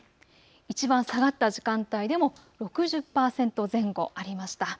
いちばん下がった時間帯でも６０％前後ありました。